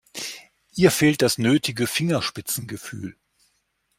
Ihr fehlt das nötige Fingerspitzengefühl.